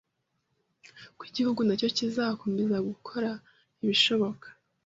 ko igihugu na cyo kizakomeza gukora ibishoboka